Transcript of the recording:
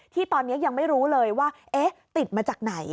ที่ตอนนี้ยังไม่รู้เลยว่าเอ๊ะติดมาจากไหน